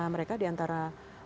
mereka di antara empat puluh